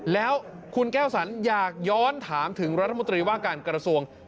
แล้วคุณแก้วสันอยากย้อนถามถึงรัฐมนตรีว่าการกระทรวง